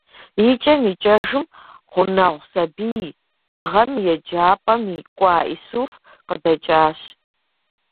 Икӏэм икӏэжым, гъунэгъу сабий - мы гъэм еджапIэм кӏуа Исуф - къыдэкӏащ.